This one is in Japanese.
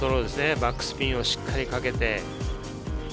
バックスピンをしっかりかけて。